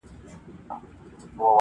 زما په مرگ به خلک ولي خوښېدلای-